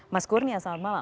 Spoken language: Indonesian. mas wurnia selamat malam